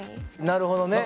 なるほどね。